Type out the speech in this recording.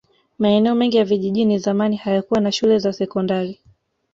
maeneo mengi ya vijijini zamani hayakuwa na shule za sekondari